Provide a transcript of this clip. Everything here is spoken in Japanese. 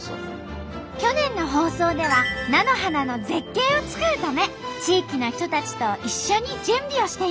去年の放送では菜の花の絶景をつくるため地域の人たちと一緒に準備をしていました。